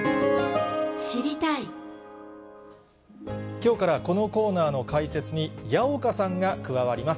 きょうからこのコーナーの解説に矢岡さんが加わります。